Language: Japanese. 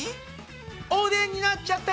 おでんになっちゃったり！